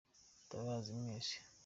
Ndabazi mwese